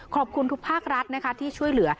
ขอบคุณทุกภาครัฐนะคะที่ช่วยเหลือ